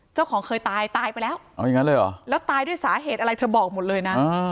เจ้าของเคยตายตายไปแล้วแล้วตายด้วยสาเหตุอะไรเธอบอกหมดเลยนะ